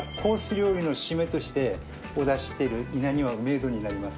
料理の締めとしてお出ししている稲庭梅うどんになります。